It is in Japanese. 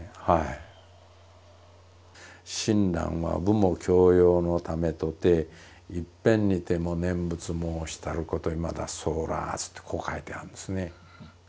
「親鸞は父母孝養のためとて一返にても念仏もうしたることいまだそうらわず」ってこう書いてあるんですね。